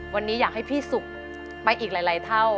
วันนี้อยากให้พี่สุกไปอีกหลายเท่า